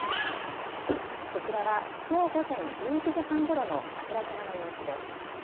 こちらはきょう午前１１時半ごろの桜島の様子です。